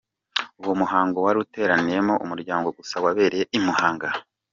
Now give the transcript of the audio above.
Uwo muhango wari uteraniyemo umuryango gusa wabereye i Muhanga.